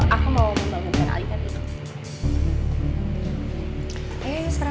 aku mau membangunkan alina